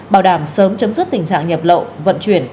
bảo đảm sớm chấm dứt tình trạng nhập lậu vận chuyển